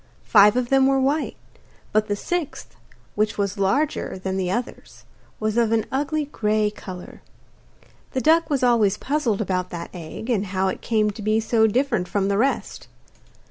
Five of them were white, but the sixth, which was larger than the others, was of an ugly grey colour. The duck was always puzzled about that egg, and how it came to be so different from the rest.